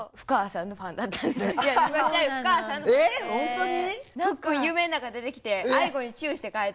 え本当に？